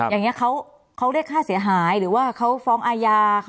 อย่างนี้เขาเรียกค่าเสียหายหรือว่าเขาฟ้องอาญา